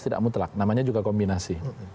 tidak mutlak namanya juga kombinasi